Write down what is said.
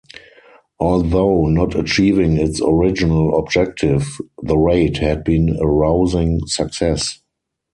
Although not achieving its original objective, the raid had been a rousing success.